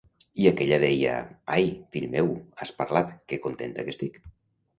I aquella deia: 'Ai, fill meu, has parlat!, que contenta que estic!'